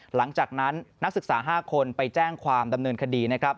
หลังจากนั้นนักศึกษา๕คนไปแจ้งความดำเนินคดีนะครับ